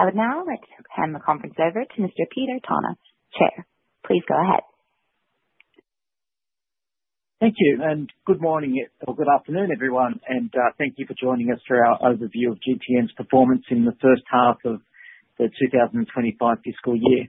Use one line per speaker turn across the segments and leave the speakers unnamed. I would now like to hand the conference over to Mr. Peter Tonagh, Chair. Please go ahead.
Thank you, and good morning or good afternoon, everyone, and thank you for joining us for our overview of GTN's performance in the first half of the 2025 fiscal year.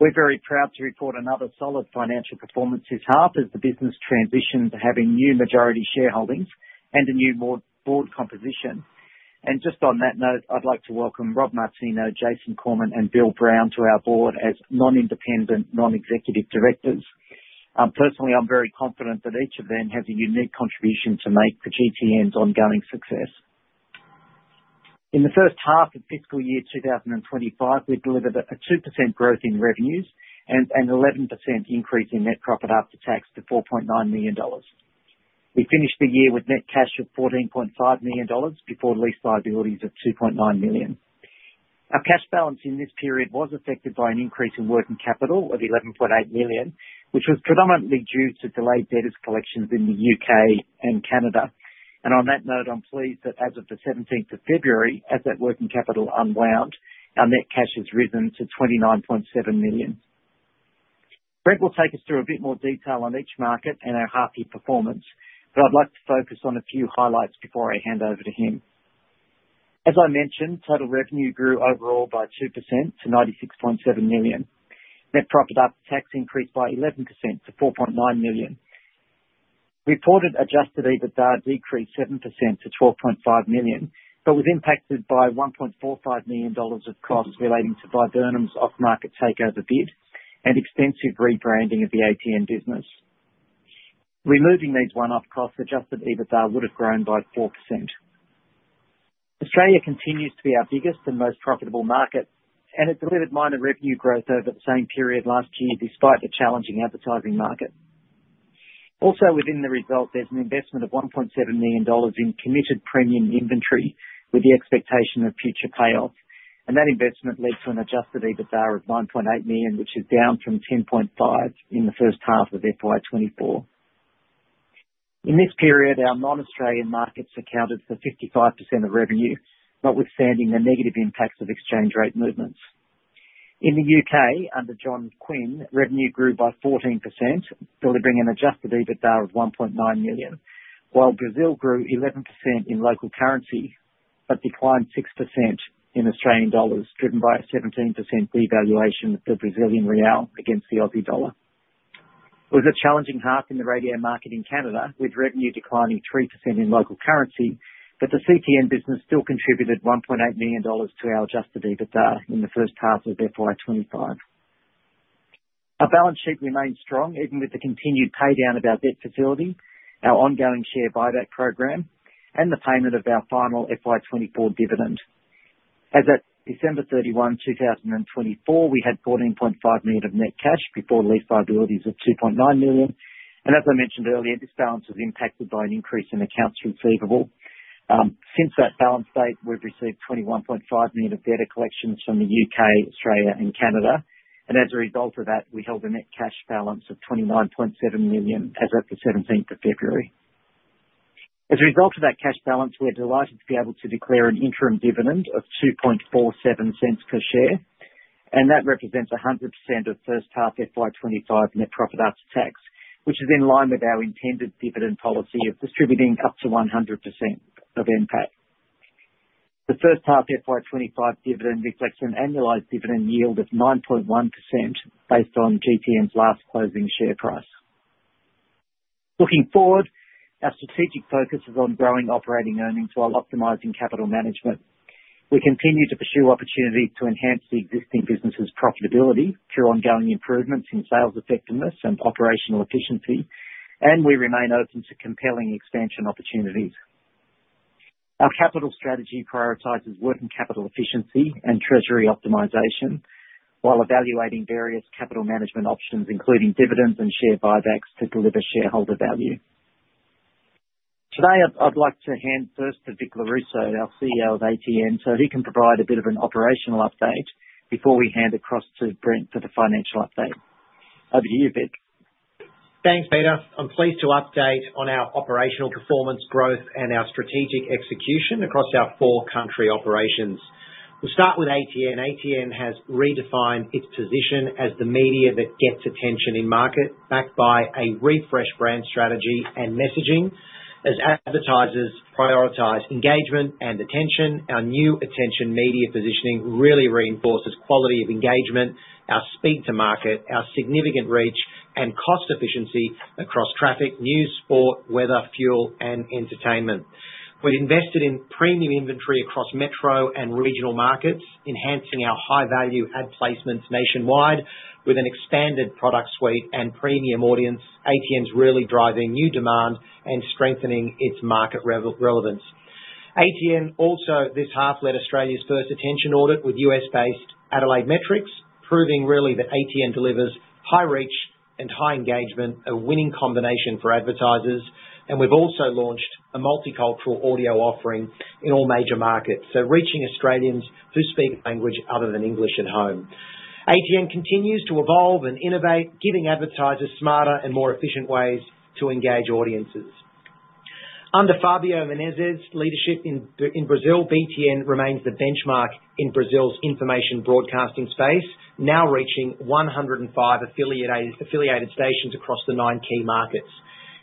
We are very proud to report another solid financial performance this half as the business transitioned to having new majority shareholdings and a new board composition. Just on that note, I would like to welcome Rob DiMartino, Jason Coleman, and Bill Barron to our board as non-independent, non-executive directors. Personally, I am very confident that each of them has a unique contribution to make for GTN's ongoing success. In the first half of fiscal year 2025, we delivered a 2% growth in revenues and an 11% increase in net profit after tax to $4.9 million. We finished the year with net cash of $14.5 million before lease liabilities of $2.9 million. Our cash balance in this period was affected by an increase in working capital of 11.8 million, which was predominantly due to delayed debtors' collections in the U.K. and Canada. On that note, I'm pleased that as of the 17th of February, as that working capital unwound, our net cash has risen to 29.7 million. Brent will take us through a bit more detail on each market and our half-year performance, but I'd like to focus on a few highlights before I hand over to him. As I mentioned, total revenue grew overall by 2% to 96.7 million. Net profit after tax increased by 11% to 4.9 million. Reported adjusted EBITDA decreased 7% to 12.5 million, but was impacted by 1.45 million dollars of costs relating to Viburnum's off-market takeover bid and extensive rebranding of the ATN business. Removing these one-off costs, adjusted EBITDA would have grown by 4%. Australia continues to be our biggest and most profitable market, and it delivered minor revenue growth over the same period last year despite the challenging advertising market. Also, within the result, there is an investment of 1.7 million dollars in committed premium inventory with the expectation of future payoff, and that investment led to an adjusted EBITDA of 9.8 million, which is down from 10.5 million in the first half of FY2024. In this period, our non-Australian markets accounted for 55% of revenue, notwithstanding the negative impacts of exchange rate movements. In the U.K., under John Quinn, revenue grew by 14%, delivering an adjusted EBITDA of 1.9 million, while Brazil grew 11% in local currency but declined 6% in Australian dollars, driven by a 17% devaluation of the Brazilian real against the Aussie dollar. It was a challenging half in the radio market in Canada, with revenue declining 3% in local currency, but the CTN business still contributed AUD 1.8 million to our adjusted EBITDA in the first half of FY25. Our balance sheet remained strong, even with the continued paydown of our debt facility, our ongoing share buyback program, and the payment of our final FY24 dividend. As of December 31, 2024, we had 14.5 million of net cash before lease liabilities of 2.9 million, and as I mentioned earlier, this balance was impacted by an increase in accounts receivable. Since that balance date, we've received 21.5 million of debtor collections from the U.K., Australia, and Canada, and as a result of that, we held a net cash balance of 29.7 million as of the 17th of February. As a result of that cash balance, we're delighted to be able to declare an interim dividend of 2.47 per share, and that represents 100% of first half FY2025 net profit after tax, which is in line with our intended dividend policy of distributing up to 100% of NPAT. The first half FY2025 dividend reflects an annualized dividend yield of 9.1% based on GTN's last closing share price. Looking forward, our strategic focus is on growing operating earnings while optimizing capital management. We continue to pursue opportunities to enhance the existing business's profitability through ongoing improvements in sales effectiveness and operational efficiency, and we remain open to compelling expansion opportunities. Our capital strategy prioritizes working capital efficiency and treasury optimization while evaluating various capital management options, including dividends and share buybacks, to deliver shareholder value. Today, I'd like to hand first to Vic Lorusso, our CEO of ATN, so he can provide a bit of an operational update before we hand across to Brent for the financial update. Over to you, Vic.
Thanks, Peter. I'm pleased to update on our operational performance, growth, and our strategic execution across our four country operations. We'll start with ATN. ATN has redefined its position as the media that gets attention in market, backed by a refreshed brand strategy and messaging. As advertisers prioritize engagement and attention, our new attention media positioning really reinforces quality of engagement, our speed to market, our significant reach, and cost efficiency across traffic, news, sport, weather, fuel, and entertainment. We've invested in premium inventory across metro and regional markets, enhancing our high-value ad placements nationwide with an expanded product suite and premium audience. ATN's really driving new demand and strengthening its market relevance. ATN also this half led Australia's first attention audit with US-based Adelaide Metrics, proving really that ATN delivers high reach and high engagement, a winning combination for advertisers, and we've also launched a multicultural audio offering in all major markets, reaching Australians who speak a language other than English at home. ATN continues to evolve and innovate, giving advertisers smarter and more efficient ways to engage audiences. Under Fabio Menezes' leadership in Brazil, BTN remains the benchmark in Brazil's information broadcasting space, now reaching 105 affiliated stations across the nine key markets.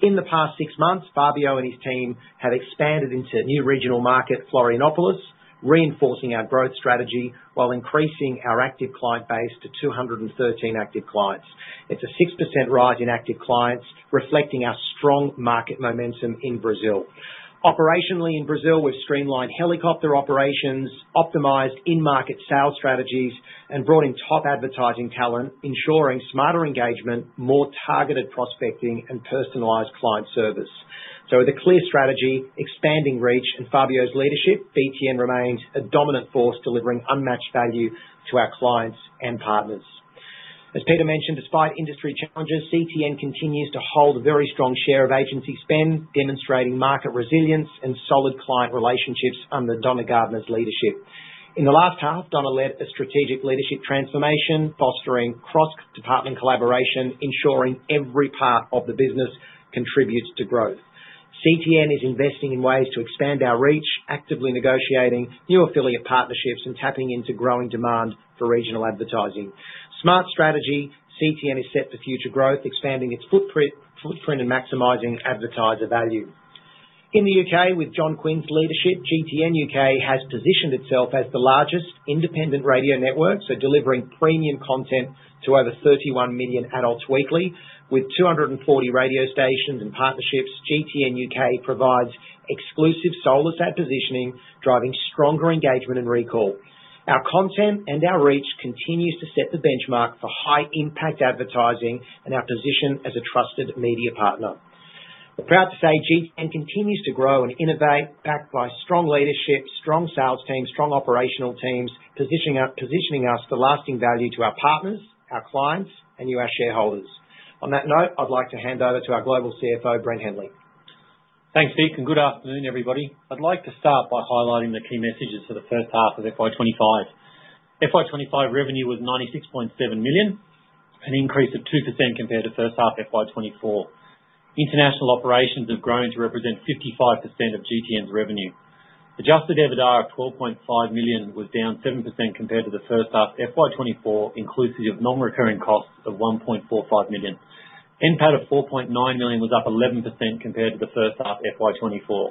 In the past six months, Fabio and his team have expanded into a new regional market, Florianopolis, reinforcing our growth strategy while increasing our active client base to 213 active clients. It's a 6% rise in active clients, reflecting our strong market momentum in Brazil. Operationally in Brazil, we've streamlined helicopter operations, optimized in-market sales strategies, and brought in top advertising talent, ensuring smarter engagement, more targeted prospecting, and personalized client service. With a clear strategy, expanding reach, and Fabio's leadership, BTN remains a dominant force delivering unmatched value to our clients and partners. As Peter mentioned, despite industry challenges, CTN continues to hold a very strong share of agency spend, demonstrating market resilience and solid client relationships under Donna Gardner's leadership. In the last half, Donna led a strategic leadership transformation, fostering cross-department collaboration, ensuring every part of the business contributes to growth. CTN is investing in ways to expand our reach, actively negotiating new affiliate partnerships and tapping into growing demand for regional advertising. Smart strategy, CTN is set for future growth, expanding its footprint and maximizing advertiser value. In the U.K., with John Quinn's leadership, GTN UK has positioned itself as the largest independent radio network, so delivering premium content to over 31 million adults weekly. With 240 radio stations and partnerships, GTN UK provides exclusive solus ad positioning, driving stronger engagement and recall. Our content and our reach continues to set the benchmark for high-impact advertising and our position as a trusted media partner. We're proud to say GTN continues to grow and innovate, backed by strong leadership, strong sales teams, strong operational teams, positioning us for lasting value to our partners, our clients, and you, our shareholders. On that note, I'd like to hand over to our global CFO, Brent Henley.
Thanks, Vic, and good afternoon, everybody. I'd like to start by highlighting the key messages for the first half of FY25. FY25 revenue was 96.7 million, an increase of 2% compared to first half FY24. International operations have grown to represent 55% of GTN's revenue. Adjusted EBITDA of 12.5 million was down 7% compared to the first half FY24, inclusive of non-recurring costs of 1.45 million. NPAT of 4.9 million was up 11% compared to the first half FY24.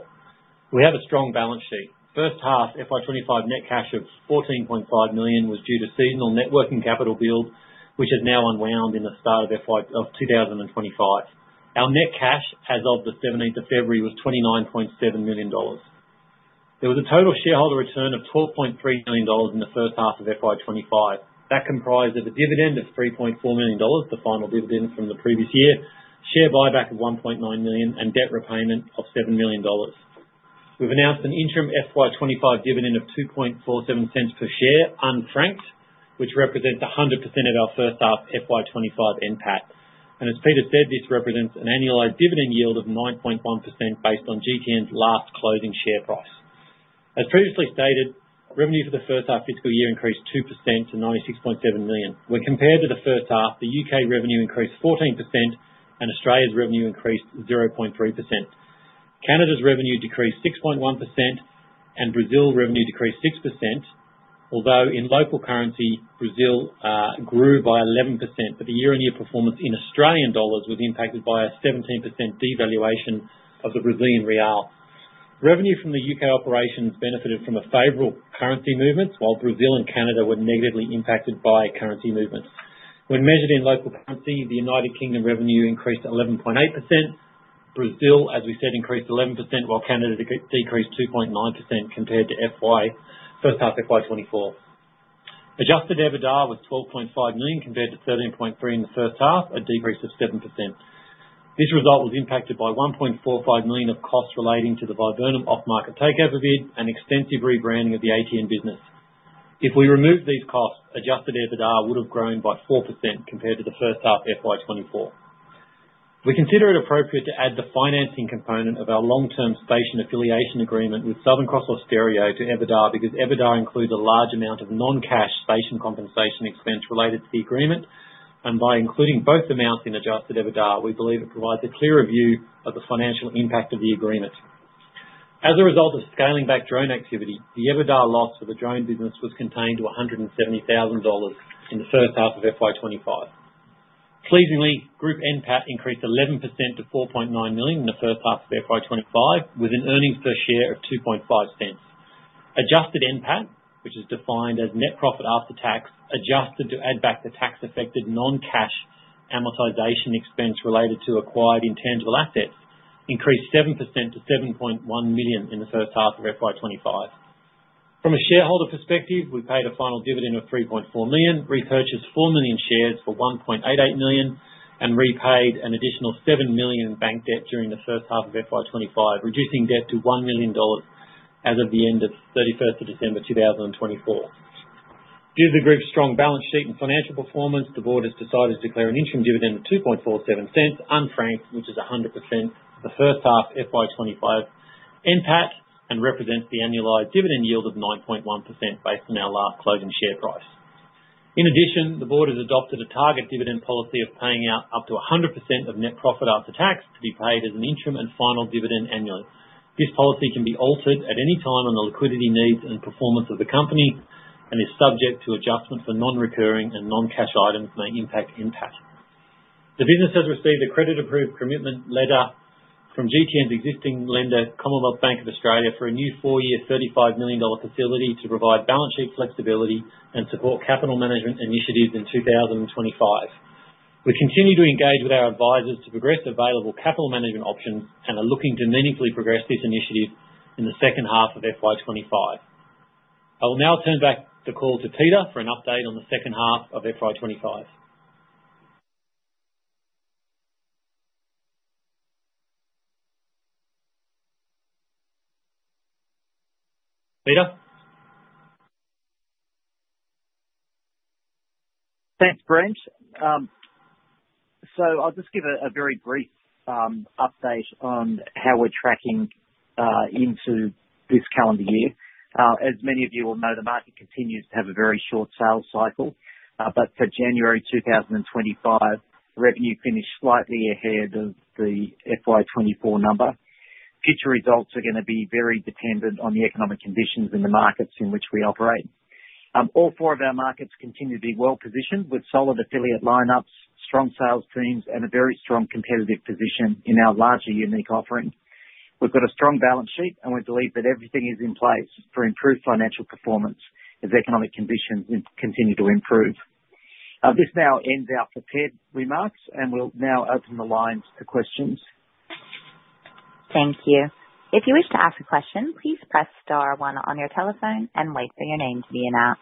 We have a strong balance sheet. First half FY25 net cash of 14.5 million was due to seasonal networking capital build, which has now unwound in the start of FY25. Our net cash as of the 17th of February was $29.7 million. There was a total shareholder return of $12.3 million in the first half of FY25. That comprised of a dividend of $3.4 million, the final dividend from the previous year, share buyback of $1.9 million, and debt repayment of $7 million. We have announced an interim FY25 dividend of $2.47 per share, unfranked, which represents 100% of our first half FY25 NPAT. As Peter said, this represents an annualized dividend yield of 9.1% based on GTN's last closing share price. As previously stated, revenue for the first half fiscal year increased 2% to $96.7 million. When compared to the first half, the U.K. revenue increased 14% and Australia's revenue increased 0.3%. Canada's revenue decreased 6.1% and Brazil's revenue decreased 6%, although in local currency, Brazil grew by 11%, but the year-on-year performance in Australian dollars was impacted by a 17% devaluation of the Brazilian real. Revenue from the U.K. operations benefited from favorable currency movements, while Brazil and Canada were negatively impacted by currency movements. When measured in local currency, the U.K. revenue increased 11.8%. Brazil, as we said, increased 11%, while Canada decreased 2.9% compared to first half FY2024. Adjusted EBITDA was 12.5 million compared to 13.3 million in the first half, a decrease of 7%. This result was impacted by 1.45 million of costs relating to the Viburnum off-market takeover bid and extensive rebranding of the ATN business. If we remove these costs, adjusted EBITDA would have grown by 4% compared to the first half FY2024. We consider it appropriate to add the financing component of our long-term station affiliation agreement with Southern Cross Austereo to EBITDA because EBITDA includes a large amount of non-cash station compensation expense related to the agreement, and by including both amounts in adjusted EBITDA, we believe it provides a clearer view of the financial impact of the agreement. As a result of scaling back drone activity, the EBITDA loss for the drone business was contained to 170,000 dollars in the first half of FY2025. Pleasingly, Group NPAT increased 11% to 4.9 million in the first half of FY2025, with an earnings per share of 0.025. Adjusted NPAT, which is defined as net profit after tax, adjusted to add back the tax-affected non-cash amortization expense related to acquired intangible assets, increased 7% to 7.1 million in the first half of FY2025. From a shareholder perspective, we paid a final dividend of 3.4 million, repurchased 4 million shares for 1.88 million, and repaid an additional 7 million in bank debt during the first half of FY2025, reducing debt to 1 million dollars as of the end of 31 December 2024. Due to the group's strong balance sheet and financial performance, the board has decided to declare an interim dividend of 2.47, unfranked, which is 100% of the first half FY2025 NPAT and represents the annualized dividend yield of 9.1% based on our last closing share price. In addition, the board has adopted a target dividend policy of paying out up to 100% of net profit after tax to be paid as an interim and final dividend annually. This policy can be altered at any time on the liquidity needs and performance of the company and is subject to adjustment for non-recurring and non-cash items that may impact NPAT. The business has received a credit-approved commitment letter from GTN's existing lender, Commonwealth Bank of Australia, for a new four-year 35 million dollar facility to provide balance sheet flexibility and support capital management initiatives in 2025. We continue to engage with our advisors to progress available capital management options and are looking to meaningfully progress this initiative in the second half of FY25. I will now turn back the call to Peter for an update on the second half of FY25. Peter?
Thanks, Brent. I'll just give a very brief update on how we're tracking into this calendar year. As many of you will know, the market continues to have a very short sales cycle, but for January 2025, revenue finished slightly ahead of the FY24 number. Future results are going to be very dependent on the economic conditions in the markets in which we operate. All four of our markets continue to be well positioned with solid affiliate lineups, strong sales teams, and a very strong competitive position in our larger unique offering. We've got a strong balance sheet, and we believe that everything is in place for improved financial performance as economic conditions continue to improve. This now ends our prepared remarks, and we'll now open the lines to questions.
Thank you. If you wish to ask a question, please press star one on your telephone and wait for your name to be announced.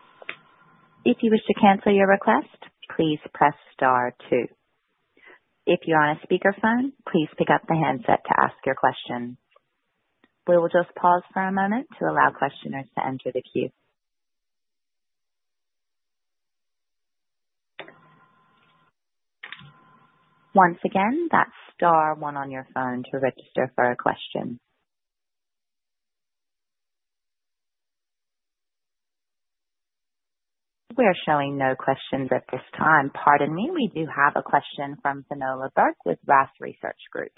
If you wish to cancel your request, please press star two. If you're on a speakerphone, please pick up the handset to ask your question. We will just pause for a moment to allow questioners to enter the queue. Once again, that's star one on your phone to register for a question. We're showing no questions at this time. Pardon me, we do have a question from Finola Burke with RAAS Research Group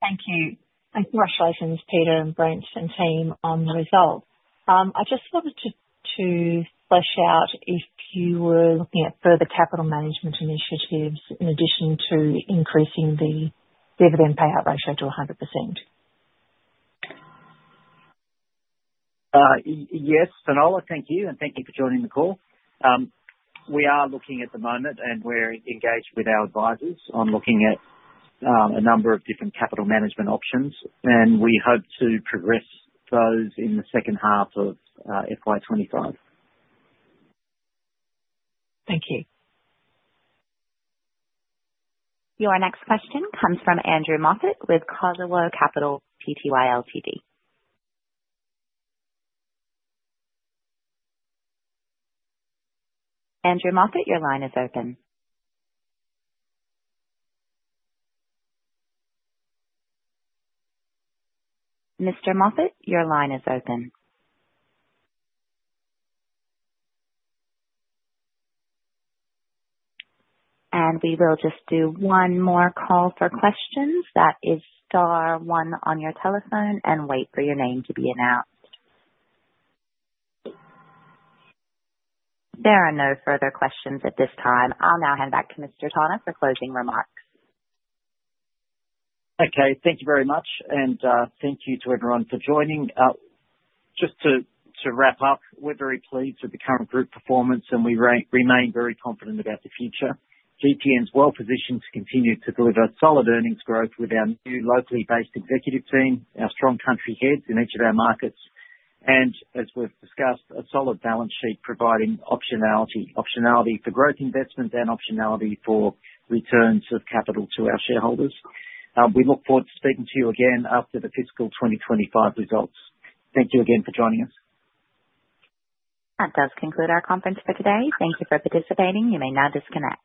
Thank you. I think Russell has asked Peter and Brent and team on the results. I just wanted to flesh out if you were looking at further capital management initiatives in addition to increasing the dividend payout ratio to 100%.
Yes, Finola, thank you, and thank you for joining the call. We are looking at the moment, and we're engaged with our advisors on looking at a number of different capital management options, and we hope to progress those in the second half of FY2025.
Thank you.
Your next question comes from Andrew Moffitt with Kosala Capital Pty Ltd. Andrew Moffitt, your line is open. Mr. Moffitt, your line is open. We will just do one more call for questions. That is star one on your telephone and wait for your name to be announced. There are no further questions at this time. I'll now hand back to Mr. Tonagh for closing remarks.
Okay, thank you very much, and thank you to everyone for joining. Just to wrap up, we're very pleased with the current group performance, and we remain very confident about the future. GTN's well positioned to continue to deliver solid earnings growth with our new locally based executive team, our strong country heads in each of our markets, and as we've discussed, a solid balance sheet providing optionality for growth investments and optionality for returns of capital to our shareholders. We look forward to speaking to you again after the fiscal 2025 results. Thank you again for joining us.
That does conclude our conference for today. Thank you for participating. You may now disconnect.